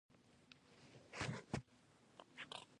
د جګړې ډګرونه یې اقتصادي سیالیو نیولي.